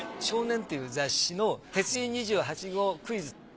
『少年』という雑誌の鉄人２８号クイズ。